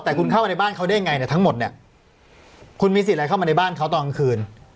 แต่คุณเข้ามาในบ้านเขาได้ยังไงเนี่ยทั้งหมดเนี่ยคุณมีสิทธิ์อะไรเข้ามาในบ้านเขาตอนกลางคืน